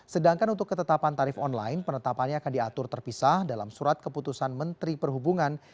sedangkan untuk ketetapan tarif online penetapannya akan diatur terpisah dalam surat keputusan menteri perhubungan